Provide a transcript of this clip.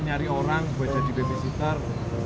nyari orang buat jadi babysitter